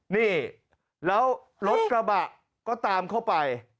นี่แล้วรถกระบะก็ตามเข้าไป